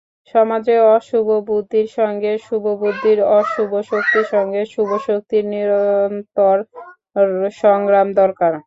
সমাজে অশুভ বুদ্ধির সঙ্গে শুভবুদ্ধির, অশুভ শক্তির সঙ্গে শুভশক্তির নিরন্তর সংগ্রাম দরকার।